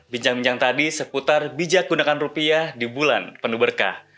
bincang bincang tadi seputar bijak gunakan rupiah di bulan penuh berkah